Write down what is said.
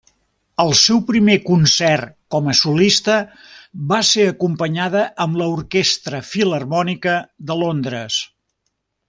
El seu primer concert com a solista va ser acompanyada amb l'orquestra Filharmònica de Londres.